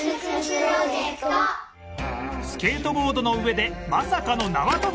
スケートボードの上でまさかの縄跳び。